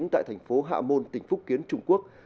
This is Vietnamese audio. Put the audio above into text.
tại thành phố hạ môn tỉnh phúc kiến trung quốc